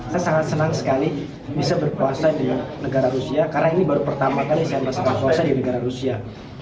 saya sangat senang sekali bisa berpuasa di negara rusia karena ini baru pertama kali saya bersama sama selesai di negara rusia